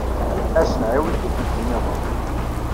Ad as-nɛiwed tikelt-nniḍen.